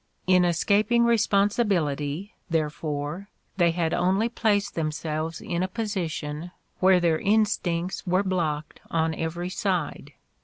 In escaping responsibility, therefore, they had only placed themselves in a position where their instincts were blocked on every side.